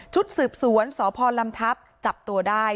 ชุดสืบสวนสพลำทัพจับตัวได้